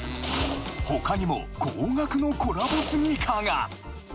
他にも高額のコラボスニーカーが！